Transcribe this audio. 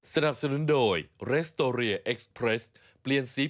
กลับมากับข่าวใส่ไข่